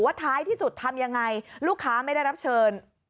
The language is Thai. ท้ายที่สุดทำยังไงลูกค้าไม่ได้รับเชิญ